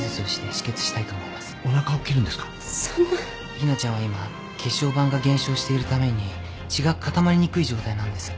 ひなちゃんは今血小板が減少しているために血が固まりにくい状態なんです。